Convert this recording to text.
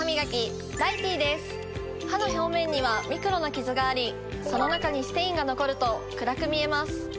歯の表面にはミクロなキズがありその中にステインが残ると暗く見えます。